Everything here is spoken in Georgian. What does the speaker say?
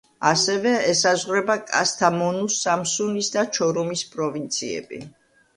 ასევე ესაზღვრება კასთამონუს, სამსუნის და ჩორუმის პროვინციები.